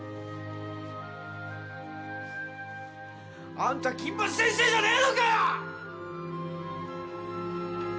あんた金八先生じゃねえのかよ！